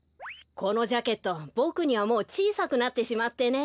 このジャケットボクにはもうちいさくなってしまってね。